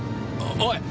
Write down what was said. おい！